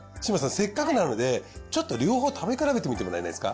せっかくなのでちょっと両方食べ比べてみてもらえないですか。